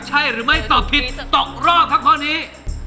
ใช่หรือไม่ตอบผิดตกรอบครับข้อนี้